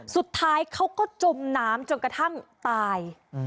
สุดท้ายเขาก็จมน้ำจนกระทั่งตาย